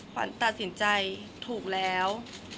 ขวัญตัดสินใจถูกแล้ว